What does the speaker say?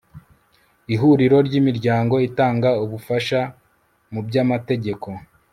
IHURIRO RY IMIRYANGO ITANGA UBUFASHA MU BY AMATEGEKO